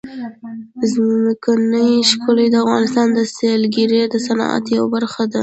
ځمکنی شکل د افغانستان د سیلګرۍ د صنعت یوه برخه ده.